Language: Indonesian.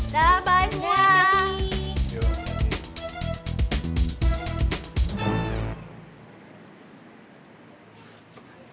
dadah bye semua